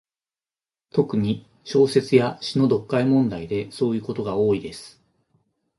特に、小説や詩の読解問題でそういうことが多いです。